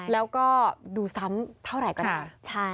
แล้วก็ดูซ้ำเท่าไหร่ก็ได้